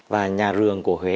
và nhà rường của huế